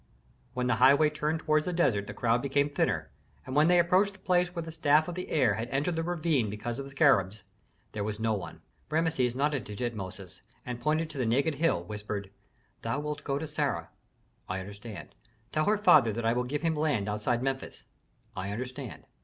When the highway turned toward the desert, the crowd became thinner, and when they approached the place where the staff of the heir had entered the ravine because of the scarabs, there was no one. Rameses nodded to Tutmosis, and pointing to the naked hill, whispered, "Thou wilt go to Sarah " "I understand." "Tell her father that I will give him land outside Memphis." "I understand.